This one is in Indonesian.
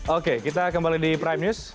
oke kita kembali di prime news